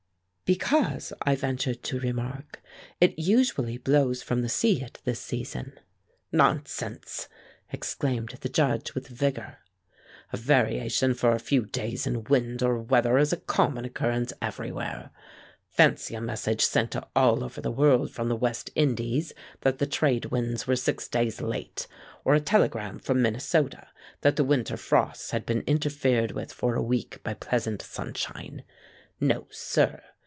"Because," I ventured to remark, "it usually blows from the sea at this season." "Nonsense," exclaimed the Judge with vigor. "A variation for a few days in wind or weather is a common occurrence everywhere. Fancy a message sent all over the world from the West Indies that the trade winds were six days late, or a telegram from Minnesota that the winter frosts had been interfered with for a week by pleasant sunshine. No, sir.